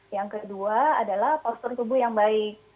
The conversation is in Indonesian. yang kedua adalah postur tubuh yang baik